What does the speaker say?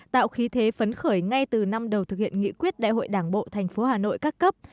tạo khí thế phấn khởi ngay từ năm đầu thực hiện nghị quyết đại hội đảng bộ thành phố hà nội các cấp